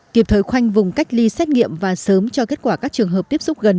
kịp thời khoanh vùng cách ly xét nghiệm và sớm cho kết quả các trường hợp tiếp xúc gần